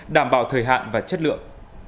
đảm bảo thời hạn và chất lượng